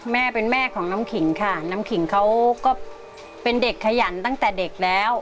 แม่เป็นแม่ของน้ำขิงค่ะน้ำขิงเขาก็เป็นเด็กขยันตั้งแต่เด็กแล้ว